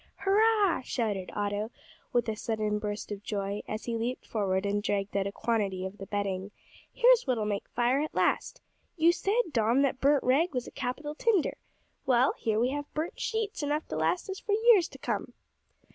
"Hurrah!" shouted Otto, with a sudden burst of joy, as he leaped forward and dragged out a quantity of the bedding; "here's what'll make fire at last! You said, Dom, that burnt rag was capital tinder. Well, here we have burnt sheets enough to last us for years to come!"